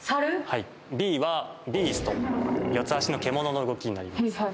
はいＢはＢｅａｓｔ四つ足の獣の動きになります